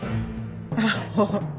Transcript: アホ。